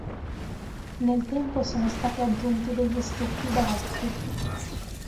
Nel tempo sono stati aggiunti degli stucchi barocchi.